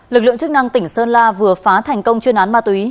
lực lượng chức năng tỉnh sơn la vừa phá thành công chuyên án ma túy